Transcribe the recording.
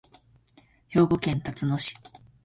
兵庫県たつの市